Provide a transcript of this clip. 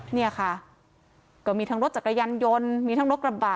เนี่ยค่ะก็มีทั้งรถจักรยานยนต์มีทั้งรถกระบะ